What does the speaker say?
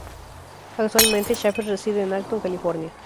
Actualmente, Shaffer reside en Acton, California.